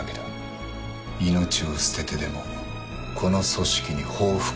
「命を捨ててでもこの組織に報復したいほどな」